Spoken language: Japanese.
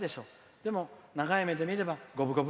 でも、長い目で見れば五分五分。